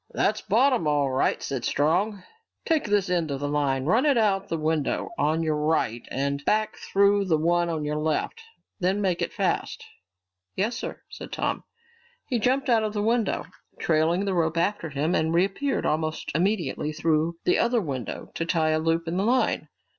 "That's bottom all right," said Strong. "Take this end of the line, run it out of the window on your right, and back through the one on your left. Then make it fast." "Yes, sir," said Tom. He jumped out of the window, trailing the rope after him, and reappeared almost immediately through the other window to tie a loop in the line.